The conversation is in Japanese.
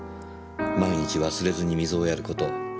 毎日忘れずに水をやる事。